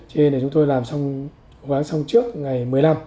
cho nên là chúng tôi làm xong quán xong trước ngày một mươi năm